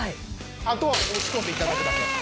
あとは押し込んでいただくだけ。